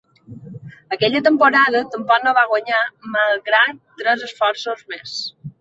Aquella temporada tampoc no va guanyar malgrat tres esforços més.